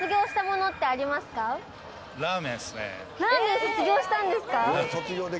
ラーメン卒業したんですか。